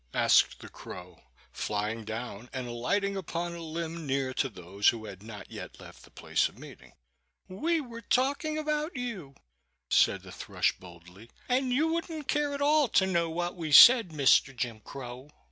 asked the crow, flying down and alighting upon a limb near to those who had not yet left the place of meeting. "We were talking about you," said the thrush, boldly; "and you wouldn't care at all to know what we said, Mister Jim Crow."